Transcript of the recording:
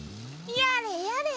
やれやれ